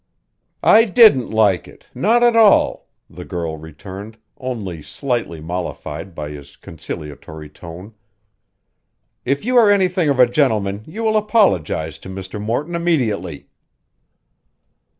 "I didn't like it, not at all," the girl returned, only slightly mollified by his conciliatory tone. "If you are anything of a gentleman you will apologize to Mr. Morton immediately."